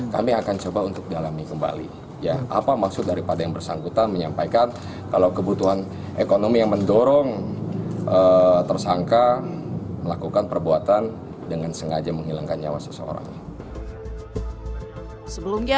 kami akan coba untuk dalami kembali apa maksud daripada yang bersangkutan menyampaikan kalau kebutuhan ekonomi yang mendorong tersangka melakukan perbuatan dengan sengaja menghilangkan nyawa seseorang